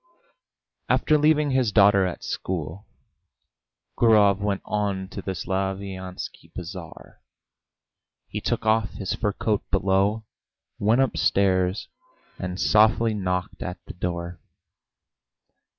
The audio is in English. After leaving his daughter at school, Gurov went on to the Slaviansky Bazaar. He took off his fur coat below, went upstairs, and softly knocked at the door.